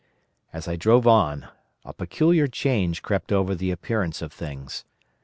"As I drove on, a peculiar change crept over the appearance of things.